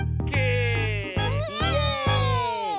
イエーイ！